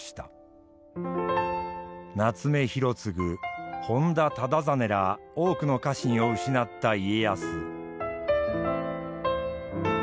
夏目広次本多忠真ら多くの家臣を失った家康。